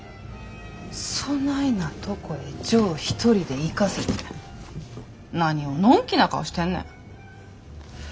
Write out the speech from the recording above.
そないなとこへジョー一人で行かせて何をのんきな顔してんねん。